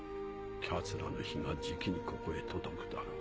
貴奴らの火がじきにここへ届くだろう。